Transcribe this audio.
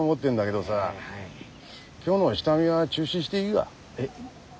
どさ今日の下見は中止していいが？えっ？